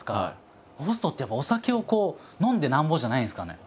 ホストってやっぱお酒を飲んでなんぼじゃないんですかね。